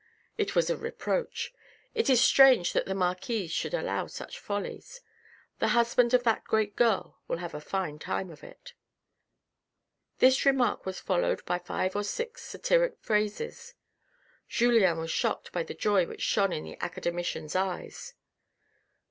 " It was a reproach. It is strange that the marquise should allow such follies. The husband of that great girl will have a fine time of it." This remark was followed by five or six satiric phrases. Julien was shocked by the joy which shone in the academician's eyes.